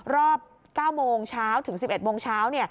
รอบ๙โมงเช้าถึง๑๑โมงเช้า